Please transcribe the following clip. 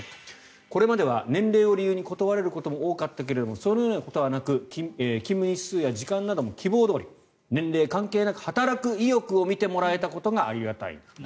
これまでは年齢を理由に断られることも多かったけどそのようなことはなく勤務日数や時間なども希望どおり年齢関係なく働く意欲を見てもらえたことがありがたい。